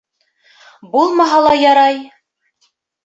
Булмаһа ла ярай!